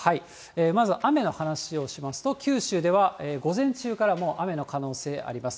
まず雨の話をしますと、九州では午前中からもう雨の可能性あります。